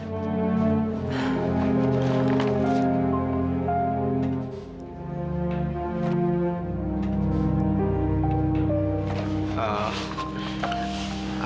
aku nggak berhenti